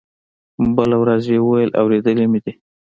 بله ورځ يې وويل اورېدلي مې دي.